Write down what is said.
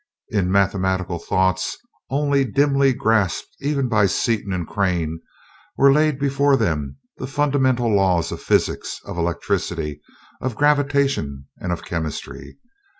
In mathematical thoughts, only dimly grasped even by Seaton and Crane, were laid before them the fundamental laws of physics, of electricity, of gravitation, and of chemistry.